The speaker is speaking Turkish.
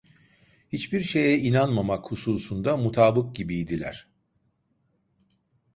Hiçbir şeye inanmamak hususunda mutabık gibiydiler.